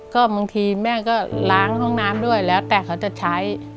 ก็บางทีแม่ก็ล้างห้องน้ำด้วยแล้วแต่เขาจะใช้